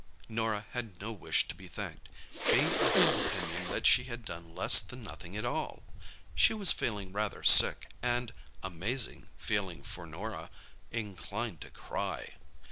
Norah had no wish to be thanked, being of opinion that she had done less than nothing at all. She was feeling rather sick, and—amazing feeling for Norah—inclined to cry.